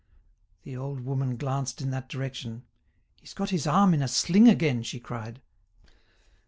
The old woman glanced in that direction. "He's got his arm in a sling again!" she cried.